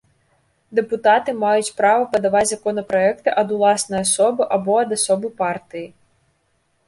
Дэпутаты маюць права падаваць законапраекты ад уласнай асобы або ад асобы партыі.